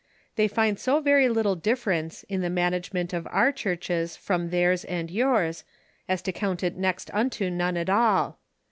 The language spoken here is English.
"They find so very little difference in the man agement of our churches from theirs and yours as to count it next unto none at all.